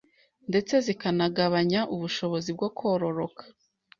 ndetse zikanagabanya ubushobozi bwo kororoka